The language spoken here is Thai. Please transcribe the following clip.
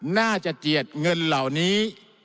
น่าจะเจียดเงินเหล่านี้